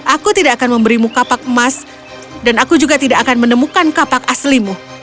aku tidak akan memberimu kapak emas dan aku juga tidak akan menemukan kapak aslimu